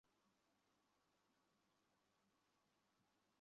দেখো, ও তো মরে গেছে, তাই না?